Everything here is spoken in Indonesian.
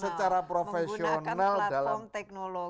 secara profesional dalam teknologi